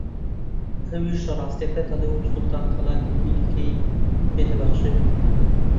ئەویش ڕاستییەکە دەڵێ و سوڵتان خەڵاتێکی دیکەی پێ دەبەخشێ